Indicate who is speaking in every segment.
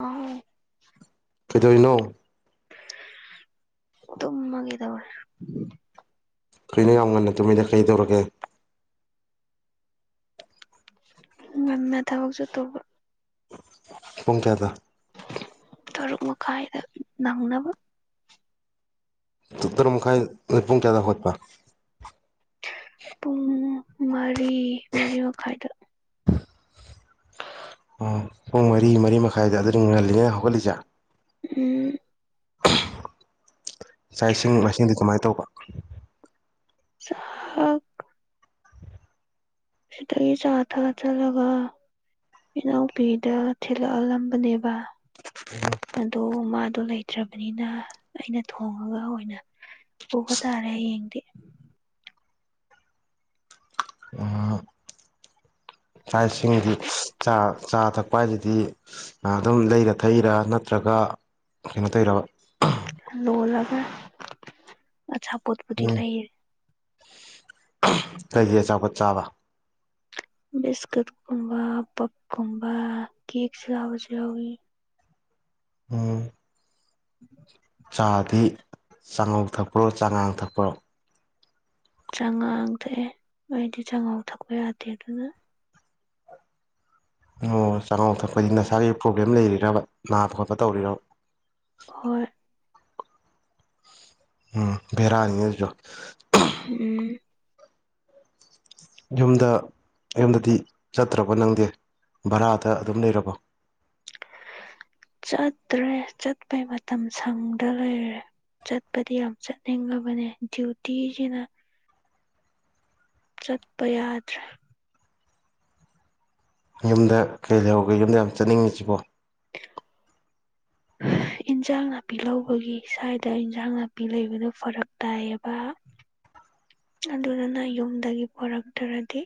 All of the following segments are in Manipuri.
Speaker 1: ꯑ
Speaker 2: ꯀꯩꯗꯧꯔꯤꯅꯣ
Speaker 1: ꯇꯃꯒꯤꯦꯗꯕꯔ
Speaker 2: ꯀꯩꯅꯣ ꯌꯥꯝ ꯉꯟꯅ ꯇꯨꯝꯃꯤꯗ ꯀꯩ ꯇꯧꯔꯒꯦ
Speaker 1: ꯉꯝꯃꯦ ꯊꯕꯛꯁꯨ ꯇ
Speaker 2: ꯄꯨꯡꯈꯗ
Speaker 1: ꯇꯔꯨꯛ ꯃꯈꯥꯏꯗ ꯅꯪꯅꯕ
Speaker 2: ꯇꯔ ꯃꯈꯥꯏ ꯃꯤꯄꯨꯡ ꯀꯌꯥꯗꯈꯣꯠꯄ
Speaker 1: ꯄꯨꯡ ꯃꯔꯤ ꯃꯔꯤ ꯃꯈꯥꯏꯗ
Speaker 2: ꯑꯣ ꯄꯨꯡ ꯃꯔꯤ ꯃꯔꯤ ꯃꯈꯥꯏꯗ ꯑꯗꯨꯗꯤ ꯉꯜꯂꯤꯉꯩ ꯍꯧꯒꯠꯂꯤꯁꯦ
Speaker 1: ꯎ
Speaker 2: ꯆꯥꯛ ꯏꯁꯤꯡ ꯃꯥꯏꯁꯤꯡꯗꯤ ꯀꯃꯥꯏꯅ ꯇꯧꯕ
Speaker 1: ꯁꯥ ꯁꯤꯁꯨ ꯑꯊ ꯑꯥ ꯂ ꯏꯅꯥꯎꯄꯤꯗ ꯊꯤꯜꯂꯛꯍꯜꯂꯝꯕꯅꯦꯕ ꯑꯗꯣ ꯃꯥ ꯑꯗꯨ ꯂꯩꯇ꯭ꯔꯕꯅꯤꯅ ꯑꯩꯅ ꯊꯣꯡꯉꯒ ꯑꯣꯏꯅ ꯎꯕ ꯇꯥꯔꯦ ꯌꯦꯡꯗꯤ
Speaker 2: ꯎꯄꯥꯏꯁꯤꯗꯤ ꯑꯗꯨꯝ ꯂꯩꯔ ꯊꯛꯏꯔꯥ ꯅꯠꯇ꯭ꯔꯒ ꯀꯩꯅꯣ ꯇꯧꯔ
Speaker 1: ꯂꯣꯜꯂꯒ ꯑꯆꯥꯄꯣꯠꯄꯨꯗꯤ ꯂꯩꯌꯦ
Speaker 2: ꯂꯩꯖ ꯑꯆꯥꯄꯣꯠ ꯆꯥꯕ
Speaker 1: ꯕꯤꯁꯀꯨꯠ ꯀꯕꯥ ꯄꯞ ꯀꯨꯝꯕ ꯀꯁꯤꯕ ꯌꯥꯎꯒꯤ
Speaker 2: ꯎꯝ
Speaker 1: ꯎꯝ
Speaker 2: ꯆꯥꯗꯤ ꯆꯥꯉꯧ ꯊꯛꯄ꯭ꯔꯣ ꯆꯥꯉꯥꯡ ꯊꯛꯄ꯭ꯔꯣ
Speaker 1: ꯆꯥꯝꯃꯉꯥ ꯊꯛꯑꯦ ꯃꯗꯤ ꯆꯥꯝꯉꯥꯎ ꯊꯛꯄ ꯌꯥꯗꯦ ꯑꯗꯨꯅ
Speaker 2: ꯑꯣ ꯆꯥꯉꯥꯎ ꯊꯛꯄꯗꯤ ꯅꯁꯥꯒꯤ ꯄ꯭ꯔꯣꯕ꯭ꯂꯦꯝ ꯂꯩꯔꯤꯔꯕ ꯅꯥꯕ ꯈꯣꯠꯄ ꯇꯧꯔꯤꯔ
Speaker 1: ꯍꯣꯏ
Speaker 2: ꯎꯝ ꯐꯦꯔꯥꯅꯤꯁꯨ
Speaker 1: ꯎꯝ
Speaker 2: ꯌꯨꯝꯗ ꯌꯨꯝꯗꯗꯤ ꯆꯠꯇ꯭ꯔꯕ ꯅꯪꯗꯦ ꯚꯔꯥꯗ ꯑꯗꯨꯝ ꯂꯩꯔꯕ
Speaker 1: ꯆꯠꯇ꯭ꯔꯦ ꯆꯠꯄꯩ ꯃꯇꯝ ꯁꯪꯗ ꯂꯩꯔꯦ ꯆꯠꯄꯗꯤ ꯌꯥꯝ ꯆꯠꯅꯤꯡꯉꯕꯅꯦ ꯗ꯭ꯌꯨꯇꯤꯁꯤꯅ ꯆꯠꯄ ꯌꯥꯗ꯭ꯔꯦ
Speaker 2: ꯌꯨꯝꯗ ꯀꯩ ꯂꯩꯍꯧꯒꯦ ꯌꯨꯝꯗ ꯌꯥꯝ ꯆꯠꯅꯤꯡꯉꯤꯁꯤꯕꯣ
Speaker 1: [inaudible] ꯏꯟꯖꯥꯡ ꯅꯥꯄꯤ ꯂꯧꯕꯒꯤ ꯁ꯭ꯋꯥꯏꯗ ꯏꯟꯖꯥꯡ ꯅꯥꯄꯤ ꯂꯩꯕꯗꯨꯣ ꯐꯔꯛ ꯇꯥꯏꯌꯦꯕ ꯑꯗꯨꯗꯨꯅ ꯌꯨꯝꯗꯒꯤ ꯄꯨꯔꯛꯇ꯭ꯔꯗꯤ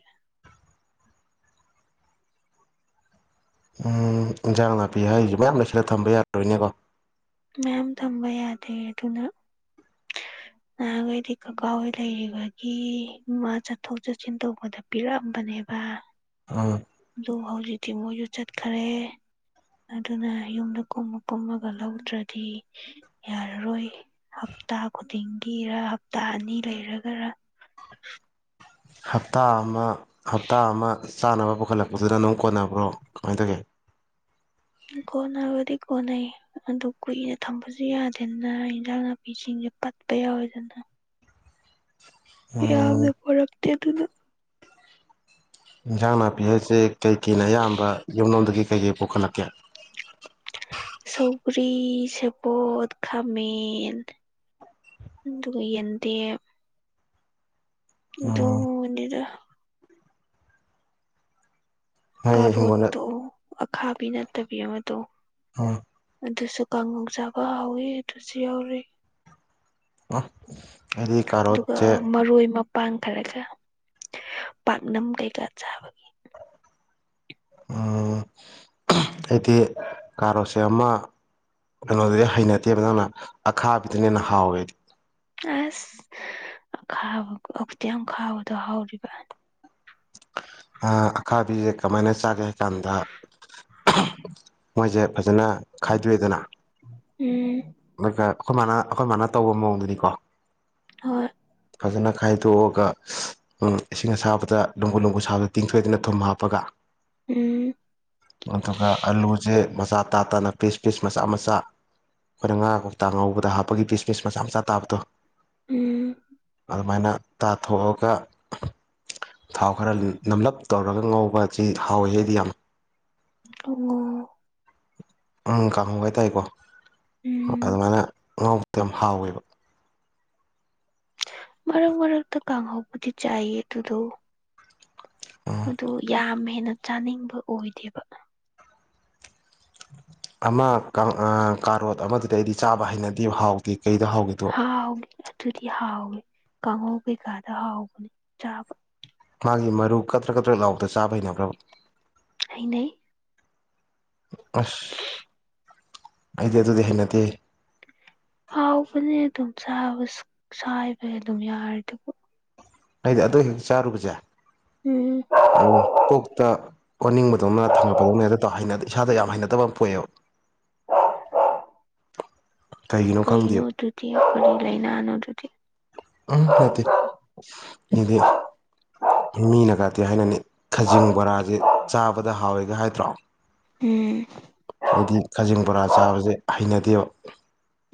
Speaker 2: ꯎꯝ ꯏꯟꯖꯥꯡ ꯅꯥꯄꯤ ꯍꯥꯏꯔꯤꯁꯦ ꯃꯌꯥꯝ ꯂꯩꯁꯤꯜꯂ ꯊꯝꯕ ꯌꯥꯔꯔꯣꯏꯅꯦꯀꯣ
Speaker 1: ꯃꯌꯥꯝ ꯊꯝꯕ ꯌꯥꯗꯦ ꯑꯗꯨꯅ ꯅꯍꯥꯟꯈꯩꯗꯤ ꯀꯀꯥ ꯍꯣꯏ ꯂꯩꯔꯤꯕꯒꯤ ꯏꯃ ꯆꯠꯊꯣꯛ ꯆꯠꯁꯤꯟ ꯇꯧꯕꯗ ꯄꯤꯔꯛꯑꯝꯕꯅꯤ ꯕ
Speaker 2: ꯎꯝ
Speaker 1: ꯑꯗꯨ ꯍꯧꯖꯤꯛꯇꯤ ꯃꯣꯏꯁꯨ ꯆꯠꯈꯔꯦ ꯑꯗꯨꯅ ꯌꯨꯝꯗ ꯀꯨꯝꯃ ꯀꯨꯝꯃꯒ ꯂꯧꯗ꯭ꯔꯗꯤ ꯌꯥꯔꯔꯣꯏ ꯍꯞꯇꯥ ꯈꯨꯗꯤꯡꯒꯤꯔ ꯍꯞꯇꯥ ꯑꯅꯤ ꯂꯩꯔꯒꯔ
Speaker 2: ꯍꯞꯇꯥ ꯑꯃ ꯍꯞꯇꯥ ꯑꯃ ꯆꯥꯅꯕ ꯄꯨꯈꯠꯂꯛꯄꯗꯨꯗ ꯑꯗꯨꯝ ꯀꯣꯟꯅꯕ꯭ꯔꯣ ꯀꯃꯥꯏꯅ ꯇꯧꯒꯦ
Speaker 1: ꯀꯣꯅꯕꯗꯤ ꯀꯣꯟꯅꯩ ꯑꯗꯨ ꯀꯨꯏꯅ ꯊꯝꯕꯁꯨ ꯌꯥꯗꯦꯗꯅ ꯏꯟꯖꯥꯡ ꯅꯥꯄꯤꯁꯤꯡꯁꯦ ꯄꯠꯄ ꯌꯥꯎꯋꯦꯗꯅ
Speaker 2: ꯎꯝ
Speaker 1: ꯌꯥꯝꯅ ꯐꯔꯛꯇꯦ ꯑꯗꯨꯅ
Speaker 2: ꯏꯟꯁꯥꯡ ꯅꯥꯄꯤ ꯍꯥꯏꯁꯦ ꯀꯩꯀꯅ ꯑꯌꯥꯝꯕ ꯌꯨꯝꯂꯣꯝꯗꯒꯤ ꯀꯩꯀꯩ ꯄꯨꯈꯠꯂꯛꯀꯦ
Speaker 1: ꯁꯧꯔꯤ ꯁꯦꯄꯠ ꯈꯥꯃꯦꯟ ꯑꯗꯨ ꯌꯦꯟꯇ
Speaker 2: ꯎꯝ
Speaker 1: ꯃꯗꯤꯗ
Speaker 2: ꯅꯣꯏ ꯍꯤꯡꯒꯣꯜꯗ
Speaker 1: ꯀꯔꯣꯠꯇꯣ ꯑꯈꯥꯕꯤ ꯅꯠꯇꯕꯤ ꯑꯃꯗꯣ
Speaker 2: ꯎ
Speaker 1: ꯑꯗꯨꯁꯨ ꯀꯥꯡꯉꯨ ꯆꯥꯕ ꯍꯥꯎꯋꯤ ꯑꯗꯨꯁꯨ ꯌꯥꯎꯔꯤ
Speaker 2: ꯑ ꯍꯥꯏꯗꯤ ꯀꯔꯣꯆꯦ
Speaker 1: ꯄꯥꯡꯈꯔꯒ ꯄꯥꯛꯅꯝ ꯀꯩꯀꯥ ꯆꯥꯕꯒꯤ
Speaker 2: ꯎꯝ
Speaker 1: [inaudible]
Speaker 2: ꯑꯩꯗꯤ ꯀꯥꯔꯣꯁꯦ ꯑꯃ ꯀꯩꯅꯣꯗꯨꯗꯤ ꯍꯩꯅꯗꯦꯕ ꯅꯪꯅ ꯑꯈꯥꯕꯤꯗꯅ ꯍꯦꯟꯅ ꯍꯥꯎꯋꯦꯗꯤ
Speaker 1: ꯑꯁ ꯈꯥꯕ ꯈꯛꯇꯤ ꯌꯥꯝ ꯈꯥꯕꯗꯣ ꯍꯧꯥꯎꯔꯤꯕ
Speaker 2: ꯑꯈꯥꯕꯤꯁꯦ ꯀꯃꯥꯏꯅ ꯆꯥꯒꯦ ꯍꯥꯏ ꯀꯥꯟꯗ ꯃꯣꯏꯁꯦ ꯐꯖꯅ ꯈꯥꯏꯗꯣꯛꯑꯦꯗꯅ
Speaker 1: ꯎꯝ
Speaker 2: ꯑꯗꯨꯒ ꯑꯩꯈꯣꯏ ꯃꯥꯅ ꯑꯩꯈꯣꯏ ꯃꯥꯅ ꯇꯧꯕ ꯃꯑꯣꯡꯗꯨꯅꯤꯀꯣ
Speaker 1: ꯍꯣꯏ
Speaker 2: ꯐꯖꯅ ꯈꯥꯏꯗꯣꯛꯑꯒ ꯎ ꯏꯁꯤꯡ ꯑꯁꯥꯕꯗ ꯂꯅꯨꯡꯕꯨꯨ ꯅꯨꯡꯕꯨꯨ ꯁꯥꯕꯗ ꯇꯤꯡꯊꯣꯏꯗꯅ ꯊꯨꯝ ꯍꯥꯞꯄꯒ
Speaker 1: ꯎꯝ
Speaker 2: ꯊ ꯑꯜꯂꯨ ꯆꯦ ꯃꯆꯥ ꯇꯥ ꯇꯥꯅ ꯄꯤꯁ ꯄꯤꯁ ꯃꯆꯥ ꯃꯆꯥ ꯑꯩꯈꯣꯏꯅ ꯉꯥ ꯀꯣꯛꯇꯥ ꯉꯧꯕꯗ ꯍꯥꯞꯄꯒꯤ ꯕꯤꯁꯃꯤꯁ ꯃꯆꯥ ꯃꯆꯥ ꯇꯥꯕꯗꯣ
Speaker 1: ꯎꯝ
Speaker 2: ꯑꯗꯨꯃꯥꯏꯅ ꯇꯥꯊꯣꯛꯑꯒ ꯊꯥꯎ ꯈꯔ ꯅꯝꯂꯞ ꯇꯧꯔꯒ ꯉꯧꯕꯁꯤ ꯍꯥꯎꯋꯤ ꯍꯥꯏꯗꯤ ꯌꯥꯝ
Speaker 1: ꯑꯣ
Speaker 2: ꯎ ꯀꯥꯡꯍꯧ ꯍꯥꯏꯇꯥꯔꯦꯀꯣ
Speaker 1: ꯎꯝ
Speaker 2: ꯑꯗꯨꯃꯥꯏꯅ ꯉꯥꯎꯕꯗ ꯌꯥꯝ ꯍꯥꯎꯋꯦꯕ
Speaker 1: ꯃꯔꯛ ꯃꯔꯒ ꯇ ꯀ ꯀꯥꯡꯍꯕꯨꯗꯤ ꯆꯥꯏꯌꯦ ꯇꯨꯗ
Speaker 2: ꯎꯝ
Speaker 1: ꯑꯗꯨ ꯌꯥꯝ ꯍꯦꯟꯅ ꯆꯥꯅꯤꯡꯕ ꯑꯣꯏꯗꯦꯕ
Speaker 2: ꯑꯃ ꯀꯥꯔꯣꯠ ꯑꯃꯗꯤ ꯑꯩꯗꯤ ꯆꯥꯕ ꯍꯩꯅꯗꯤ ꯍꯥꯎꯗꯦ
Speaker 1: ꯍꯥꯥꯎꯒꯦꯗꯤ ꯍꯥꯥꯎꯒꯦ ꯀꯒꯦ ꯀꯥꯗ ꯍꯥꯥꯎꯒ ꯆꯥꯕ
Speaker 2: ꯃꯥꯒꯤ ꯃꯔꯨ ꯀꯠꯇ꯭ꯔꯥ ꯀꯠꯇ꯭ꯔꯥ ꯂꯥꯎꯗ ꯆꯥꯕ ꯍꯩꯅꯕ꯭ꯔꯕ
Speaker 1: ꯍꯩꯅꯩ
Speaker 2: ꯑꯁ ꯑꯩꯗꯤ ꯑꯗꯨꯗꯤ ꯍꯦꯟꯅꯗꯦ
Speaker 1: ꯍꯥꯎꯕꯅꯦ ꯑꯗꯨꯝ ꯆꯥꯏꯕ ꯑꯗꯨꯝ ꯌꯥꯔꯗꯤꯀꯣ
Speaker 2: ꯑꯩꯗꯤ ꯑꯗꯨ ꯍꯦꯛ ꯆꯥꯔꯨꯕꯁꯦ
Speaker 1: ꯎꯝ
Speaker 2: ꯎꯝ ꯀꯣꯛꯇ ꯋꯥꯅꯤꯡꯕꯗꯧꯅ ꯊꯪꯉꯛꯄꯗꯧꯅ ꯍꯦꯛꯇ ꯇꯧ ꯍꯥꯏꯅꯗꯦ ꯏꯁꯥꯗ ꯌꯥꯝ ꯍꯩꯅꯗꯕ ꯑꯃ ꯄꯣꯛꯑꯦꯕ ꯀꯩꯒꯤꯅꯣ
Speaker 1: ꯀꯔꯤ ꯅ
Speaker 2: ꯈꯪꯗꯦꯕ
Speaker 1: ꯑꯗꯨꯨꯗꯤ ꯀꯔꯤ ꯂꯅ ꯑꯅꯗꯨꯨ ꯊꯤ
Speaker 2: ꯎꯠꯇꯦ ꯏꯗꯤ ꯃꯅ ꯀꯥ ꯤ ꯍꯥꯏꯅꯅꯤ ꯈꯖꯤꯡ ꯕꯣꯔꯥꯁꯦ ꯆꯥꯕꯗ ꯍꯥꯎꯋꯦꯒ ꯍꯥꯏꯗ꯭ꯔꯣ
Speaker 1: ꯎꯝ
Speaker 2: ꯍꯥꯏꯗꯤ ꯀꯖꯤꯡ ꯕꯣꯔꯥ ꯆꯥꯕꯁꯦ ꯍꯩꯅꯗꯦꯕ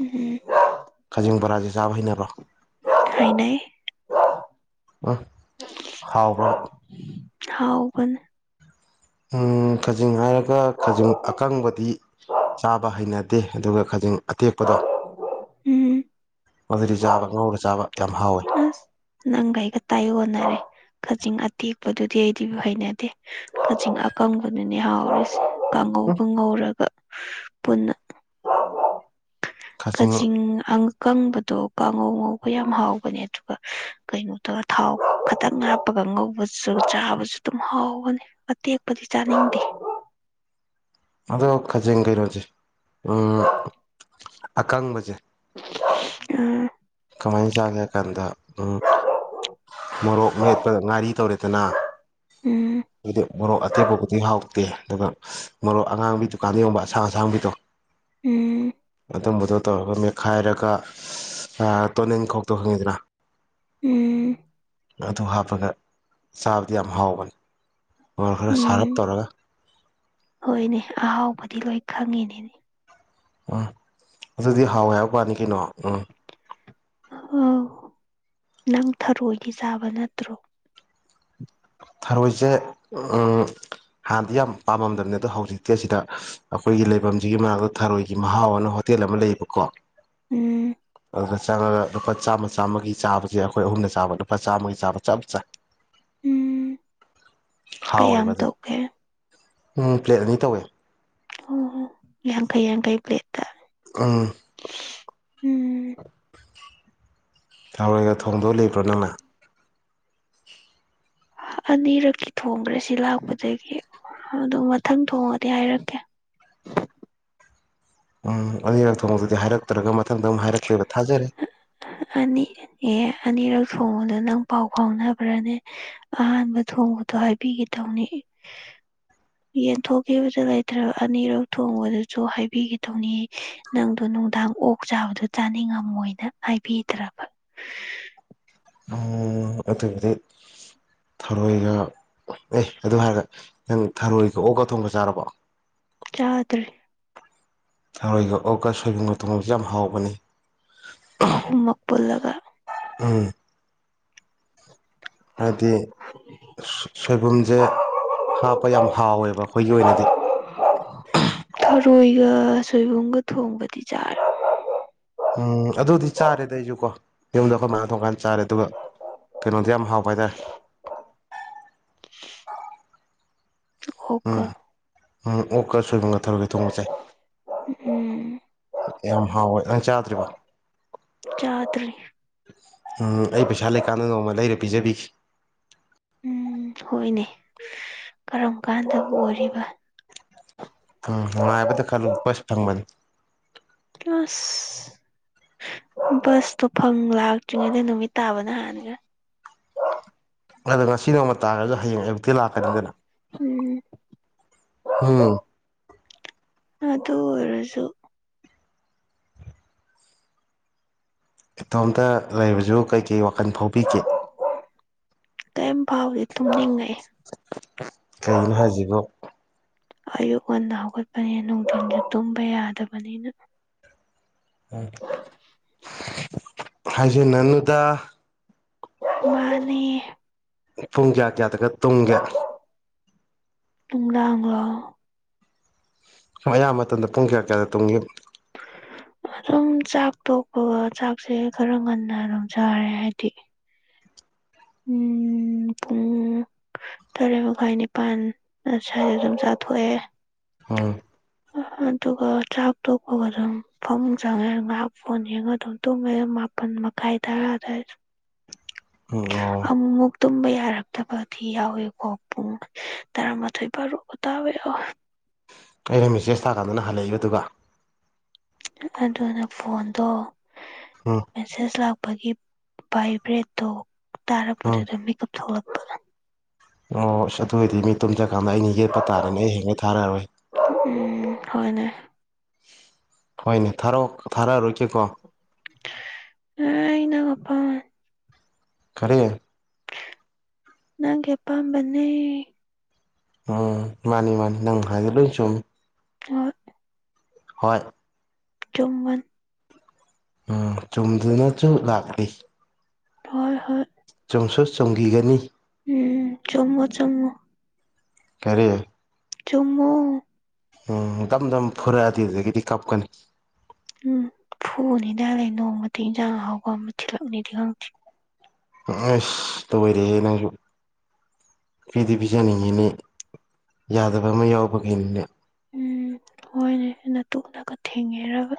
Speaker 1: ꯎꯝ
Speaker 2: ꯀꯥꯖꯤꯡ ꯕꯔꯥꯁꯦ ꯆꯥꯕ ꯍꯩꯅꯔꯣ
Speaker 1: ꯍꯥꯏꯥꯏꯅ
Speaker 2: ꯎ ꯍꯥꯎ꯭ꯔꯣꯅ
Speaker 1: ꯍꯥꯎꯕ
Speaker 2: ꯎ ꯈꯖꯤꯡ ꯍꯥꯏꯔꯒ ꯈꯖꯤꯡ ꯑꯀꯪꯕꯗꯤ ꯆꯥꯕ ꯍꯩꯅꯗꯦ ꯑꯗꯨꯒ ꯈꯖꯤꯡ ꯑꯇꯦꯛꯄꯗꯣ
Speaker 1: ꯎꯝ
Speaker 2: ꯃꯗꯨꯗꯤ ꯆꯥꯕ ꯉꯧꯔ ꯆꯥꯕ ꯌꯥꯝ ꯍꯥꯎꯋꯤ
Speaker 1: ꯅꯪ ꯑꯩꯒ ꯇꯥꯏ ꯍꯅꯔꯦ ꯀꯛꯆꯤꯡ ꯑꯇꯦꯛꯄꯗꯨꯗꯤ ꯑꯩꯗꯤ ꯍꯩꯅꯗꯦ ꯀꯛꯆꯤꯡ ꯑꯀꯪꯕꯗꯨꯅꯦ ꯍꯥꯎꯔꯤꯁꯦ ꯀꯥꯡꯉꯧ
Speaker 2: ꯎꯝ
Speaker 1: ꯀꯥꯡꯉꯧꯔꯒ ꯄꯨꯟꯅ
Speaker 2: ꯈꯥꯖꯤꯡ
Speaker 1: ꯀꯆꯤꯡ ꯀꯪꯕꯗꯣ ꯀꯥꯡꯉꯧ ꯉꯧꯕ ꯌꯥꯝ ꯍꯥꯎꯕꯅꯦ ꯑꯗꯨꯒ ꯀꯩꯅꯣꯗꯒ ꯊꯥꯎ ꯈꯇꯪ ꯉꯞꯄꯒ ꯉꯧꯕꯁꯨ ꯆꯥꯕꯁꯨ ꯑꯗꯨꯝ ꯍꯥꯎꯕꯅꯤ ꯑꯇꯦꯛꯄꯗꯤ ꯆꯥꯅꯤꯡꯗꯦ
Speaker 2: ꯑꯗꯣ ꯈꯖꯦꯡ ꯀꯩꯅꯣꯁꯦ ꯑꯀꯪꯕꯁꯦ
Speaker 1: ꯎꯝ
Speaker 2: ꯀꯃꯥꯏꯅ ꯆꯥꯒꯦ ꯍꯥꯏ ꯀꯥꯟꯗ ꯎꯝ ꯃꯣꯔꯣꯛ ꯃꯦꯠꯄꯗ ꯉꯥꯔꯤ ꯇꯧꯔꯦꯗꯅ
Speaker 1: ꯎꯝ
Speaker 2: ꯃꯅꯣ ꯑꯇꯩ ꯄꯗꯤ ꯍꯥꯥꯎ ꯇꯦ ꯑꯗꯨꯒ ꯃꯔꯣꯛ ꯑꯉꯥꯡꯕꯤ ꯗꯨꯀꯥꯟꯗ ꯌꯣꯟꯕ ꯑꯁꯥꯡ ꯑꯁꯥꯡꯕꯤꯗꯣ
Speaker 1: ꯎꯝ
Speaker 2: ꯑꯗꯨꯝꯕꯗꯣ ꯇꯧꯔꯒ ꯃꯦꯠꯈꯥꯏꯔꯒ ꯇꯣꯅꯤꯜ ꯈꯧꯇꯣ ꯈꯪꯉꯤꯗ꯭ꯔꯥ
Speaker 1: ꯎꯝ
Speaker 2: ꯑꯗꯨ ꯍꯥꯞꯄꯒ ꯆꯥꯕꯗꯤ ꯌꯥꯝ ꯍꯥꯎꯕꯅꯤ ꯃꯣꯔ ꯈꯔ ꯁꯥꯔꯞ
Speaker 1: ꯎꯝ
Speaker 2: ꯇꯧꯔꯒ
Speaker 1: ꯍꯣꯏꯅꯦ ꯑꯍꯥꯎꯕꯗꯤ ꯂꯣꯏ ꯈꯪꯉꯤꯅꯦꯅꯦ
Speaker 2: ꯎꯝ ꯑꯗꯨꯗꯤ ꯍꯥꯎꯦ ꯍꯥꯏꯕ ꯄꯥꯅꯤ ꯀꯩꯅꯣ ꯎꯝ
Speaker 1: ꯑ ꯅꯪ ꯊꯔꯣꯏꯒꯤ ꯆꯥꯕ ꯅꯠꯇ꯭ꯔꯣ
Speaker 2: ꯊꯔꯣꯏꯁꯦ ꯍꯥꯟꯅꯗꯤ ꯌꯥꯝ ꯄꯥꯝꯃꯝꯗꯕꯅꯦ ꯑꯗꯣ ꯍꯧꯖꯤꯛꯇꯤ ꯑꯁꯤꯗ ꯑꯩꯈꯣꯏꯒꯤ ꯂꯩꯐꯝꯁꯤꯒꯤ ꯃꯅꯥꯛꯇ ꯊꯔꯣꯏꯒꯤ ꯃꯍꯥꯎ ꯑꯅ ꯇꯦꯜ ꯑꯃ ꯂꯩꯌꯦꯕꯀꯣ
Speaker 1: ꯎꯝ
Speaker 2: ꯑꯗꯨꯒ ꯆꯪꯉꯒ ꯂꯨꯄꯥ ꯆꯥꯝꯃ ꯆꯥꯝꯃꯒꯤ ꯆꯥꯕꯁꯦ ꯑꯩꯈꯣꯏ ꯑꯍꯨꯝꯗ ꯆꯥꯕ ꯂꯨꯄꯥ ꯆꯥꯝꯃꯒꯤ ꯆꯥꯕ ꯆꯞ ꯆꯥ
Speaker 1: ꯎꯝ ꯀꯌꯥ
Speaker 2: ꯍꯥꯎꯋꯦꯕ
Speaker 1: ꯑꯃ
Speaker 2: ꯑꯗꯨ
Speaker 1: ꯊꯣꯛꯀꯦ
Speaker 2: ꯎꯝ ꯄ꯭ꯂꯦꯠ ꯑꯅꯤ ꯇꯧꯋꯦ
Speaker 1: ꯑꯣ ꯌꯥꯝꯡ ꯀꯩ ꯌꯥꯡ ꯀꯩ ꯄ꯭ꯂꯦꯠ
Speaker 2: ꯎꯝ
Speaker 1: ꯎꯝ
Speaker 2: ꯊꯔꯣꯏꯒ ꯊꯣꯡꯗꯣꯛ ꯂꯩꯕ꯭ꯔꯣ ꯅꯪꯅ
Speaker 1: ꯑꯅꯤꯔꯛꯀꯤ ꯊꯣꯡꯈ꯭ꯔꯦ ꯁꯤ ꯂꯥꯛꯄꯗꯒꯤ ꯑꯗꯨ ꯃꯊꯪ ꯊꯣꯡꯉꯗꯤ ꯍꯥꯏꯔꯛꯀꯦ
Speaker 2: ꯎꯝ ꯑꯅꯤꯔꯛ ꯊꯣꯡꯕꯛꯇꯗꯤ ꯍꯥꯏꯔꯛꯇ꯭ꯔꯒ ꯃꯊꯪꯗ ꯑꯃꯨ ꯍꯥꯏꯔꯛ
Speaker 1: ꯑ ꯌꯦ ꯑꯅꯤꯔꯛ ꯊꯣꯡꯕꯗꯣ ꯅꯪ ꯄꯥꯎ ꯐꯥꯎꯅꯕ꯭ꯔꯅꯦ ꯑꯍꯥꯟꯕ ꯊꯣꯡꯕꯗꯣ ꯍꯥꯏꯕꯤꯒꯗꯧꯅꯤ [unintelligible] ꯌꯦꯟꯊꯣꯛꯈꯤꯕꯗꯨ ꯂꯩꯇ꯭ꯔꯕ ꯑꯅꯤꯔꯛ ꯊꯣꯡꯕꯗꯨꯁꯨ ꯍꯥꯏꯕꯤꯈꯤ ꯇꯧꯅꯤꯌꯦ ꯅꯪꯗꯨ ꯅꯨꯡꯗꯥꯡ ꯑꯣꯛ ꯆꯥꯕꯗꯨ ꯆꯥꯅꯤꯡꯉꯝꯃꯣꯏꯅ ꯍꯥꯏꯕꯤꯗ꯭ꯔꯕ
Speaker 2: ꯎꯝ ꯑꯗꯨꯗꯤ ꯊꯔꯣꯏꯒ ꯑꯦ ꯑꯗꯨ ꯍꯥꯏꯔꯒ ꯅꯪ ꯊꯔꯣꯏꯒ ꯑꯣꯛꯒ ꯊꯣꯡꯕ ꯆꯥꯔꯕꯣ
Speaker 1: ꯆꯥꯗ꯭ꯔꯤ
Speaker 2: ꯊꯔꯣꯏꯒꯑꯒ ꯁꯣꯏꯕꯨꯝꯅ ꯊꯣꯡꯕꯁ ꯌꯥꯝ ꯍꯥꯎꯕꯅꯤ
Speaker 1: ꯑꯍꯨꯝ ꯃꯛꯕꯨꯜꯂꯒ
Speaker 2: ꯎꯝ ꯍꯥꯏꯗꯤ ꯁꯣꯏꯕꯨꯝꯁꯦ ꯍꯥꯞꯄ ꯌꯥꯝ ꯍꯥꯎꯋꯦꯕ ꯑꯩꯈꯣꯏꯒꯤ ꯑꯣꯏꯅꯗꯤ
Speaker 1: ꯊꯔꯣꯏꯒ ꯁꯣꯏꯕꯨꯝꯒ ꯊꯣꯡꯕꯗꯤ ꯆꯥꯔꯦ
Speaker 2: ꯎꯝ ꯑꯗꯨꯗꯤ ꯆꯥꯔꯦꯗ ꯑꯩꯁꯨꯀꯣ ꯌꯨꯝꯗ ꯑꯩꯈꯣꯏ ꯃꯅ ꯊꯣꯡꯀꯥꯟꯗ ꯆꯥꯔꯦ ꯑꯗꯨꯒ ꯀꯩꯅꯣꯗꯤ ꯌꯥꯝ ꯍꯥꯎꯕ ꯍꯥꯏꯇꯥꯔꯦ
Speaker 1: [unintelligible] ꯑꯣꯀ
Speaker 2: ꯎꯝ ꯎꯝ ꯑꯣꯀ ꯁꯣꯏꯕꯨꯝꯒꯊꯧꯔꯒ ꯊꯣꯡꯉꯆꯥꯏ
Speaker 1: ꯎꯝ
Speaker 2: ꯌꯥꯝ ꯍꯥꯎꯋꯦ ꯅꯪ ꯆꯥꯗ꯭ꯔꯤꯕ
Speaker 1: ꯆꯥꯗ꯭ꯔꯤ
Speaker 2: ꯎꯝ ꯑꯩ ꯄꯩꯁꯥ ꯂꯩꯀꯥꯟꯗ ꯅꯣꯡꯃ ꯂꯩꯔ ꯄꯤꯖꯕꯤꯈꯤ
Speaker 1: ꯎꯝ ꯍꯣꯏꯅꯦ ꯀꯔꯝ ꯀꯥꯟꯗꯕꯨ ꯑꯣꯏꯔꯤꯕ
Speaker 2: ꯎꯝ ꯍꯥꯏꯕꯗꯤ ꯈꯜꯂꯨ ꯁ ꯐꯪꯕꯅꯤ
Speaker 1: ꯀ꯭ꯂꯥꯁ ꯕꯁꯇꯣ ꯐꯪ ꯂꯥꯛꯇ꯭ꯔꯤꯉꯩꯗ ꯅꯨꯃꯤꯠ ꯇꯥꯕꯅ ꯍꯥꯟꯅꯒ
Speaker 2: ꯑꯗꯣ ꯉꯁꯤ ꯅꯣꯡꯃ ꯇꯥꯔꯒꯁꯨ ꯍꯌꯦꯡꯛꯦ ꯂꯥꯛꯀꯅꯤ ꯀ
Speaker 1: ꯎꯝ
Speaker 2: ꯎꯝ
Speaker 1: ꯑ ꯇ ꯑꯣꯏꯔꯁꯨ
Speaker 2: ꯏꯇꯣꯝꯇ ꯂꯩꯔꯕꯁꯨ ꯀꯩꯀꯩ ꯋꯥꯈꯜ ꯐꯥꯎꯕꯤꯒꯦ
Speaker 1: ꯇ ꯐꯥꯎꯦ
Speaker 2: ꯀꯩꯒꯤꯅꯣ ꯍꯥꯏꯁꯤꯕꯣ
Speaker 1: ꯑꯌꯨꯛ ꯉꯟꯅ ꯍꯧꯒꯠꯄꯅꯤ ꯅꯨꯡꯊꯤꯟꯗ ꯇꯨꯝꯕ ꯌꯥꯗꯕꯅꯤꯅ
Speaker 2: ꯍꯥꯏꯁꯦ ꯅꯅꯨꯗ
Speaker 1: ꯃꯥꯅꯦ
Speaker 2: ꯄꯨꯡ ꯀꯌꯥ ꯀꯌꯥꯗꯒ ꯇꯨꯡꯒꯦ
Speaker 1: ꯇꯨꯡꯗꯒꯣ
Speaker 2: ꯑꯌꯥꯝꯕ ꯃꯇꯝꯗ ꯄꯨꯡ ꯀꯌꯥ ꯀꯌꯥꯗ ꯇꯨꯡꯏ
Speaker 1: ꯑꯗꯨꯝ ꯆꯥꯛ ꯇꯣꯛꯄꯒ ꯆꯥꯛꯁꯦ ꯈꯔ ꯉꯟꯅ ꯑꯗꯨꯝ ꯆꯥꯔꯦ ꯍꯥꯏꯗꯤ ꯎꯝ ꯄꯨꯡ ꯇꯔꯦꯠ ꯃꯈꯥꯏ ꯅꯤꯄꯥꯜ ꯁꯁ꯭ꯋꯥꯏꯗ ꯑꯗꯨꯝ ꯆꯥꯊꯣꯛꯑꯦ
Speaker 2: ꯍ
Speaker 1: ꯑꯗꯨꯒ ꯆꯥꯛ ꯇꯣꯛꯄꯒ ꯑꯗꯨꯝ ꯐꯃ ꯆꯪꯉꯦ ꯉꯍꯥꯛ ꯐꯣꯟ ꯌꯦꯡꯉ ꯑꯗꯨꯝ ꯇꯨꯝꯃꯦꯦ ꯃ ꯀꯥꯏ ꯇꯔꯗ
Speaker 2: ꯎꯝ ꯑꯣ
Speaker 1: ꯇꯨꯝꯕ ꯌꯥꯔꯛꯇꯕꯗꯤ ꯌꯥꯎꯋꯦꯀꯣ ꯄꯨꯡ ꯇꯔꯥꯃꯥꯊꯣꯏ ꯐꯥꯔꯨ ꯇꯥꯋꯦ [unintelligible]
Speaker 2: ꯑꯩꯅ ꯃꯦꯁꯦꯖ ꯊꯥꯀꯥꯟꯗꯅ ꯍꯜꯂꯛꯏꯕꯗꯨ
Speaker 1: ꯑꯗꯨꯅ ꯐꯣꯟꯗꯣ
Speaker 2: ꯎꯝ
Speaker 1: ꯃꯦꯁꯦꯖ ꯂꯥꯛꯄꯒꯤ ꯚꯥꯏꯕ꯭ꯔꯦꯠꯇꯣ
Speaker 2: ꯎꯝ
Speaker 1: ꯇꯥꯔꯛꯄꯗꯨꯗ ꯃꯦꯀꯞ ꯊꯣꯛꯂꯛꯄꯗ
Speaker 2: ꯑꯣ ꯑꯁ ꯑꯗꯨ ꯑꯣꯏꯗꯤ ꯃꯤ ꯇꯨꯝꯖꯀꯥꯟꯗ ꯑꯩꯅ ꯌꯦꯠꯄ ꯇꯥꯔꯦꯅꯦ ꯑꯩ ꯍꯦꯡꯒꯩ ꯊꯥꯔꯔꯣꯏ
Speaker 1: ꯎ ꯍꯅꯦ
Speaker 2: ꯍꯣꯏꯅꯦ ꯊꯥꯔ ꯊꯥꯔꯛꯑꯔꯣꯏꯀꯦꯀꯣ
Speaker 1: ꯑ ꯏꯩꯅ ꯀꯄꯥ
Speaker 2: ꯀꯔꯤ
Speaker 1: ꯅꯪꯒꯦꯄꯥꯝꯕꯅꯤ
Speaker 2: ꯎꯝ ꯃꯥꯅꯤ ꯃꯥꯅꯤ ꯅꯪ ꯍꯥꯏꯒꯂꯣꯏ ꯁꯨꯝ
Speaker 1: ꯑ
Speaker 2: ꯍꯣꯏ
Speaker 1: ꯇꯣꯡꯟ
Speaker 2: ꯎꯝ ꯆꯨꯝꯗꯅꯁꯨ ꯂꯥꯛꯂꯤ
Speaker 1: ꯍꯣꯏ ꯍꯣꯏ
Speaker 2: ꯆꯣꯡꯁꯨꯣ ꯆꯣꯡꯈꯤꯒꯅꯤ
Speaker 1: ꯎꯝ ꯆꯣꯡꯉꯣ ꯆꯪꯉꯣ
Speaker 2: ꯀꯔꯤ
Speaker 1: ꯆꯣꯡꯃꯨ
Speaker 2: ꯎꯝ ꯗꯝ ꯗꯝ ꯐꯨꯔꯛꯑꯗꯤ ꯍꯧꯖꯤꯗꯒꯤꯗꯤ ꯀꯞꯀꯅꯤ
Speaker 1: ꯎꯝ ꯐꯨꯕꯅꯤꯗꯂꯦ ꯅꯣꯡꯃꯗꯤ ꯏꯟꯖꯥꯡ ꯍꯥꯎꯕ ꯑꯃ ꯊꯤꯜꯂꯛꯅꯤꯗꯤ ꯈꯪꯗ꯭ꯦ
Speaker 2: ꯁ ꯇꯔꯦ ꯅꯪꯁꯨ ꯀꯔꯤꯗꯤ ꯄꯤꯖꯅꯤꯡꯉꯤꯅꯦ ꯌꯥꯗꯕ ꯑꯃ ꯌꯥꯎꯕꯈꯩꯅꯤꯅꯦ
Speaker 1: ꯎꯝ ꯍꯣꯏꯅꯦ ꯑꯩꯅ ꯇꯣꯛꯂꯒ ꯊꯦꯡꯉꯦꯔꯕ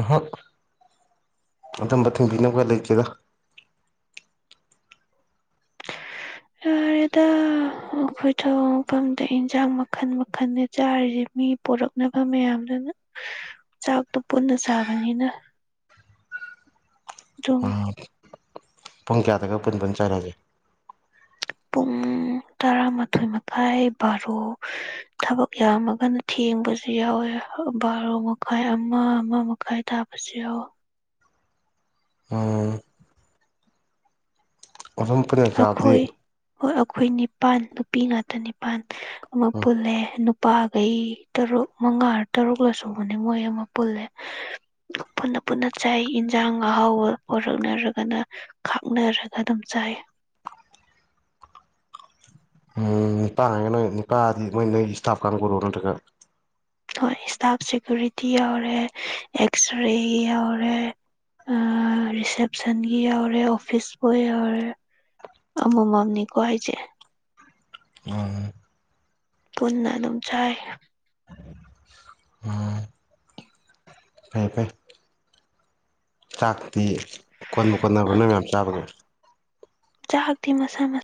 Speaker 2: ꯑꯍ ꯑꯗꯨꯗꯝꯕ ꯊꯤꯡꯕꯤꯅ ꯀ ꯂꯩꯇꯦꯗ
Speaker 1: ꯌꯥꯔꯦꯗ ꯑꯩꯈꯣꯏ ꯊ ꯃꯐꯝꯗ ꯏꯟꯁꯥꯡ ꯃꯈꯟ ꯃꯈꯜꯗ ꯆꯥꯔꯤꯁ ꯃꯤ ꯄꯣꯔꯛꯅꯕ ꯃꯌꯥꯝꯗꯨꯅ ꯆꯥꯛꯇꯣ ꯄꯨꯟꯅ ꯆꯥꯕꯅꯤꯅ [inaudible] ꯑꯗꯨꯝ
Speaker 2: ꯄꯨꯡ ꯀꯌꯥꯗꯒ ꯄꯨꯟ ꯄꯨꯟ ꯆꯥꯏꯔꯛꯁꯦ
Speaker 1: ꯄꯨꯡ ꯨꯡ ꯇꯔꯥꯃꯥꯊꯣꯏ ꯃꯈꯥꯏ ꯕꯥꯔꯣ ꯊꯕꯛ ꯌꯥꯝꯃꯒꯅ ꯊꯦꯡꯕꯁꯨ ꯌꯥꯎꯋꯦ ꯕꯥꯔꯣ ꯃꯈꯥꯏ ꯑꯃ ꯑꯃ ꯃꯈꯥꯏ ꯊꯥꯕꯁꯨ ꯌꯥꯑꯣ
Speaker 2: ꯑꯣ ꯃꯐꯝ ꯐꯅ ꯆꯥꯕꯗꯤ
Speaker 1: ꯑꯩꯈꯣꯏ ꯍꯣꯏ ꯑꯩꯈꯣꯏ ꯅꯤꯄꯥꯟ ꯅꯨꯄꯤ ꯉꯥꯛꯇ ꯅꯤꯄꯥꯜ ꯑꯃ ꯄꯨꯜꯂꯦ ꯂꯨꯄꯥꯈꯩ ꯇꯔꯨꯛ ꯃꯉꯥ ꯇꯔꯨꯛꯂ ꯁꯨꯕꯅꯦ ꯃꯣꯏ ꯑꯃ ꯄꯨꯜꯂꯦ ꯄꯨꯟꯅ ꯆꯥꯏ ꯌꯦꯟꯖꯥꯡ ꯑꯍꯥꯎ ꯄꯣꯔꯛꯅꯔꯒꯅ ꯈꯥꯛꯅꯔꯒ ꯑꯗꯨꯝ ꯆꯥꯏ
Speaker 2: ꯎꯝ ꯅꯨꯄꯥ ꯍꯥꯏ ꯅꯣꯏ ꯅꯨꯅꯤꯄꯥꯗꯤ ꯃꯣꯏ ꯅꯣꯏ ꯏꯁꯇꯥꯐ ꯀꯥꯟꯒꯔꯣꯑꯣꯅꯠꯇꯒ
Speaker 1: ꯍꯣꯏ ꯏꯁꯇꯥꯞ ꯁꯦꯀ꯭ꯨꯔꯤꯇꯤ ꯌꯥꯎꯔꯦ ꯑꯦꯛꯁ ꯔꯦ ꯌꯥꯎꯔꯦ ꯔꯤꯁꯦꯞꯁꯟꯒꯤ ꯌꯥꯎꯔꯦ ꯑꯣꯐꯤꯁ ꯕꯣꯏ ꯌꯥꯎꯔꯦ ꯑꯃꯣꯃꯝꯅꯤ ꯈ꯭ꯋꯥ ꯍꯥꯏꯖꯦ
Speaker 2: ꯎꯝ
Speaker 1: ꯄꯨꯣꯟꯅ ꯑꯗꯨꯝ ꯆꯥꯏ
Speaker 2: ꯎꯝ ꯐ ꯐ ꯆꯥꯛꯇꯤ ꯀꯣꯟꯕ ꯀꯣꯟꯅꯕ ꯅꯣꯏ ꯌꯥꯝ ꯆꯥꯕꯒꯦ
Speaker 1: ꯆꯥꯗꯤ ꯃꯁꯥ ꯃꯁ